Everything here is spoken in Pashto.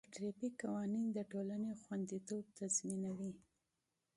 د ټرافیک قوانین د ټولنې خوندیتوب تضمینوي.